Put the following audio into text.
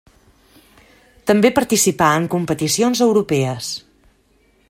També participà en competicions europees.